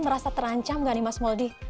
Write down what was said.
merasa terancam gak nih mas mouldie